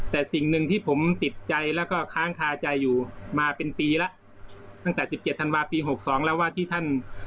แต่สิ่งหนึ่งที่ผมติดใจแล้วก็ค้างคาใจอยู่มาเป็นปีแล้วตั้งแต่สิบเจ็ดธันวาคมปีหกสองแล้วว่าที่ท่าน